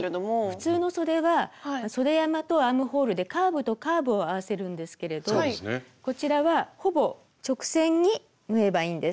普通のそではそで山とアームホールでカーブとカーブを合わせるんですけれどこちらはほぼ直線に縫えばいいんです。